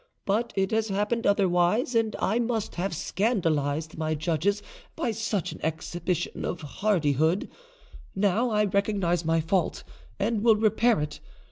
But it has happened otherwise, and I must have scandalised my judges by such an exhibition of hardihood. Now I recognise my fault, and will repair it.